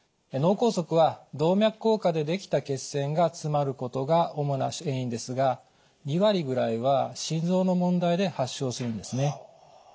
脳梗塞は動脈硬化でできた血栓が詰まることが主な原因ですが２割ぐらいは心臓の問題で発症するんですね。